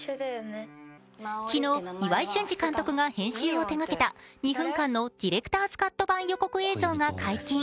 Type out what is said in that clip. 昨日、岩井俊二監督が編集を手がけた２分間のディレクターズカット版予告映像が解禁。